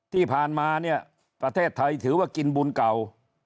ที่ผ่านมาเนี่ยประเทศไทยถือว่ากินบุญเก่า